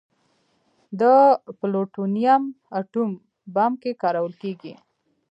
د پلوټونیم اټوم بم کې کارول کېږي.